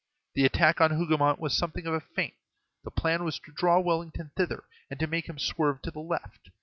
The attack on Hougomont was something of a feint; the plan was to draw Wellington thither, and to make him swerve to the left.